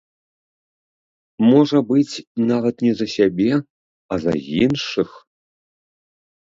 Можа быць, нават не за сябе, а за іншых.